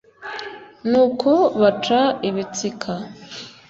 nuko baca ibitsika